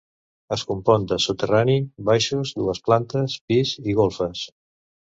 Es compon de soterrani, baixos, dues plantes pis i golfes.